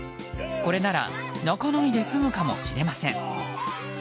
これなら泣かないで済むかもしれません。